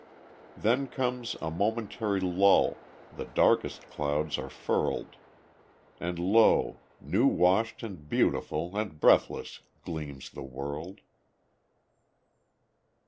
Then comes a momentary lull, The darkest clouds are furled, And lo, new washed and beautiful And breathless gleams the world.